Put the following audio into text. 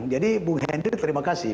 jadi bu hendrik terima kasih